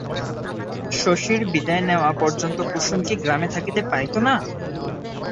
শশীর বিদায় নেওয়া পর্যন্ত কুসুম কি গ্রামে থাকিতে পারিত না?